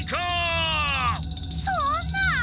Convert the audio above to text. そんな！？